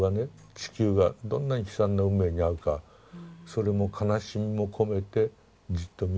地球がどんなに悲惨な運命に遭うかそれも悲しみも込めてじっと見ている。